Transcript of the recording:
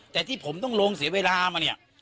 แต่ที่ผมต้องลงเสียเวลามาเนี่ย